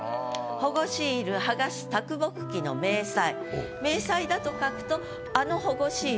「保護シール剥がす啄木忌の明細」。